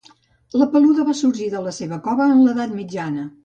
La Peluda va sorgir de la seva cova en l'edat mitjana.